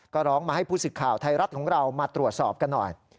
ก็ร้องมาให้ผู้สิทธิ์ข่าวไทยรัฐของเรามาตรวจสอบกันหน่อย